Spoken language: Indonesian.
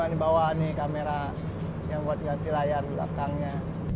di bawah ini kamera yang buat ngerti layar belakangnya